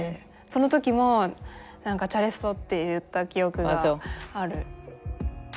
その時も「チャレッソ」って言った記憶がある。